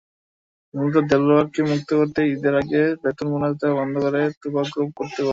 মূলত দেলোয়ারকে মুক্ত করতেই ঈদের আগে বেতন-বোনাস দেওয়া বন্ধ করে তোবা গ্রুপ কর্তৃপক্ষ।